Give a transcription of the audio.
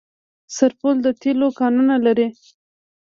سرپل د تیلو کانونه لري